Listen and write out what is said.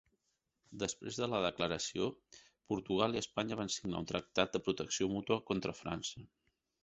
Després de la declaració, Portugal i Espanya van signar un tractat de protecció mútua contra França.